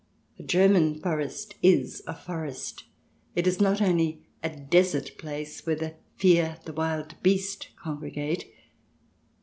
A German forest is a forest ; it is not only a desert place where the fere — the wilde teste — congre gate.